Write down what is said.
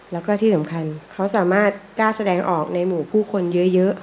แล้วก็ที่สำคัญเขาสามารถกล้าแสดงออกในหมู่ผู้คนเยอะ